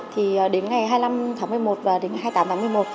thì đến ngày hai mươi năm tháng một mươi một và đến ngày hai mươi tám tháng một mươi một